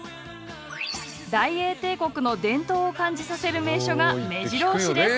大英帝国の伝統を感じさせる名所がめじろ押しです。